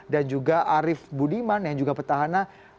dan juga arief budiman yang juga petahana